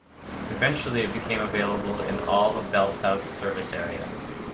Eventually, it became available in all of BellSouth's service area.